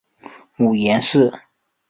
母阎氏。